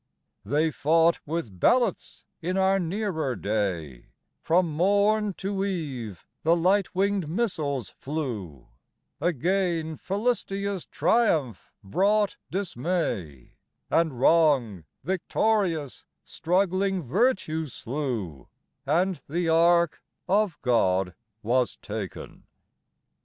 They fought with ballots in our nearer day; From morn to eve the light winged missiles flew; Again Philistia's triumph brought dismay, And Wrong, victorious, struggling Virtue slew, And the Ark of God was taken.